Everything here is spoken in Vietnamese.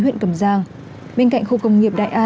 xin chào và hẹn gặp lại